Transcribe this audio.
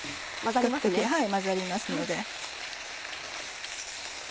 比較的混ざりますので。